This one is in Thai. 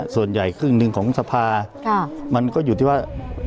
ส่วนใหญ่๑ขึ้นของสภามันก็อยู่ที่ว่า